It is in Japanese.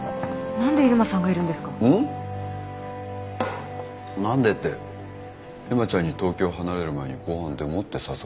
何でって絵真ちゃんに東京を離れる前にご飯でもって誘われてだよ。